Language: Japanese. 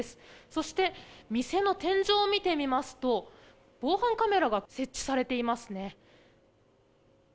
そして店の天井を見てみますと、防犯カメラが設置されていますね。